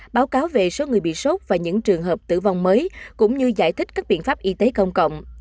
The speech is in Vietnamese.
báo cáo về số người bị sốt và những trường hợp tử vong mới cũng như giải thích các biện pháp y tế công cộng